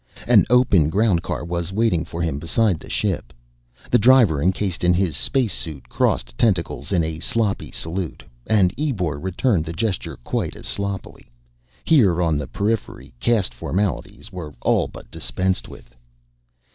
An open ground car was waiting for him beside the ship. The driver, encased in his spacesuit, crossed tentacles in a sloppy salute, and Ebor returned the gesture quite as sloppily. Here on the periphery, cast formalities were all but dispensed with.